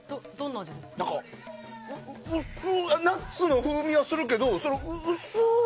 ナッツの風味はするけど薄い。